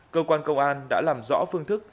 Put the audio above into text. cơ quan công an đã làm rõ phương thức